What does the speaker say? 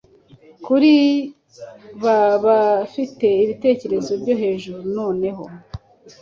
Kuri ba bafite ibitekerezo byo hejuru noneho